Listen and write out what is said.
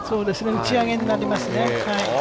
打ち上げになりますね。